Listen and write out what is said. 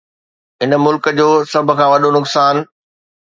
هن ملڪ جو سڀ کان وڏو نقصان